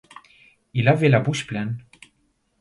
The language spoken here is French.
Il avait la bouche pleine.